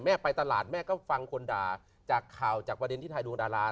ไปตลาดแม่ก็ฟังคนด่าจากข่าวจากประเด็นที่ทายดวงดารา